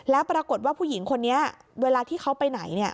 แล้วปรากฏว่าผู้หญิงคนนี้เวลาที่เขาไปไหน